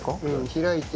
開いて。